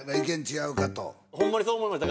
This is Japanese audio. ホンマにそう思いました